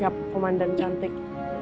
siap pemandang cantik